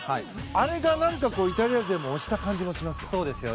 あれがイタリア勢を押した感じもしますよ。